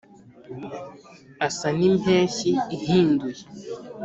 Asa n'impeshyi ihinduye.